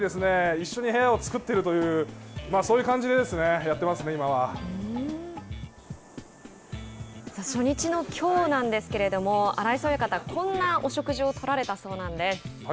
一緒に部屋を作っているというそういう感じでやっていますね、初日のきょうなんですけれども荒磯親方はこんなお食事を取られたそうなんです。